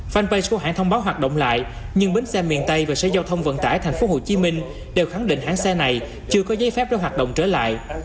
fanpage của hãng thông báo hoạt động lại nhưng bến xe miền tây và xe giao thông vận tải tp hcm đều khẳng định hãng xe này chưa có giấy phép để hoạt động trở lại